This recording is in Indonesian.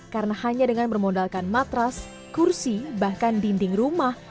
karena hanya dengan bermodalkan matras kursi bahkan dinding rumah